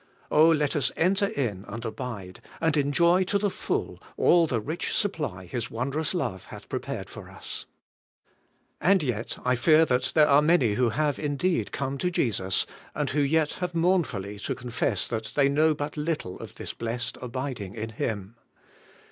Oh, let us enter in and abide, and enjoy to the full all the rich supply His wondrous love hath prepared for us! And yet I fear that there are many Avho have in deed come to Jesus, and who yet have mournfully to confess that they know but little of this blessed abid ing in Him.